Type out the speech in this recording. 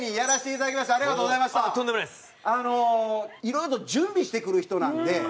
いろいろと準備してくる人なんで。